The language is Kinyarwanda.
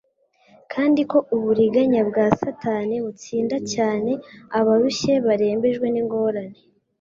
kandi ko uburiganya bwa Satani butsinda cyane abarushye barembejwe n'ingorane.